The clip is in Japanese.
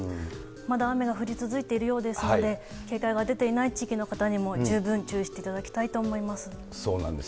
まだ雨が降り続いているようですので、警戒が出ていない地域の方にも、十分注意していただきたいと思います。